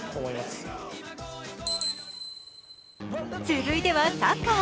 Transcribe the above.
続いてはサッカー。